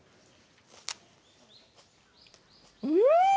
うん！